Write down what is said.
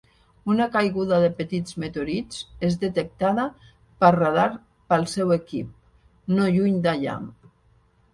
Una caiguda de petits meteorits és detectada per radar pel seu equip, no lluny d'allà.